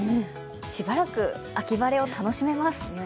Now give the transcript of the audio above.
しばらく秋晴れを楽しめます。